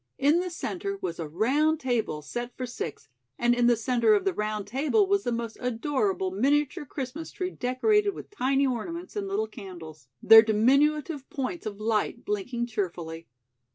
In the center was a round table set for six, and in the center of the round table was the most adorable miniature Christmas tree decorated with tiny ornaments and little candles, their diminutive points of light blinking cheerfully.